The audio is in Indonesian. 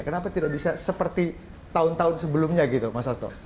kenapa tidak bisa seperti tahun tahun sebelumnya gitu mas hasto